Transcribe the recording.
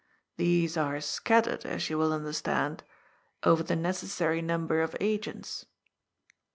These are scattered, as you will understand, over the necessary number of agents.